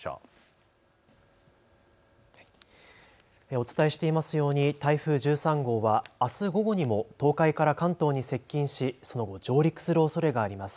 お伝えしていますように台風１３号はあす午後にも東海から関東に接近しその後上陸するおそれがあります。